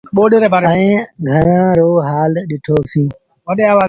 آئي گھرآݩ رو هآل ڏٺو سيٚݩ۔